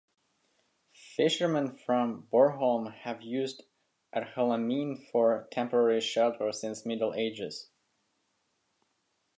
Fishermen from Bornholm have used Ertholmene for temporary shelter since the Middle Ages.